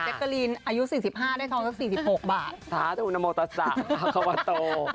แจ๊กกะลินอายุ๔๕ได้ทอง๔๖บาท